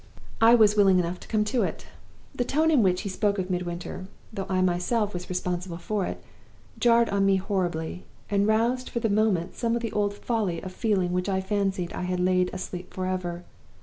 "I was willing enough to come to it. The tone in which he spoke of Midwinter, though I myself was responsible for it, jarred on me horribly, and roused for the moment some of the old folly of feeling which I fancied I had laid asleep forever.